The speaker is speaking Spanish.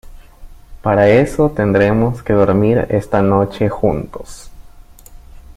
para eso tendremos que dormir esta noche juntos.